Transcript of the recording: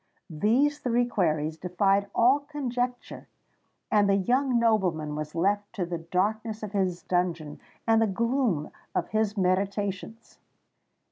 These three queries defied all conjecture; and the young nobleman was left to the darkness of his dungeon and the gloom of his meditations.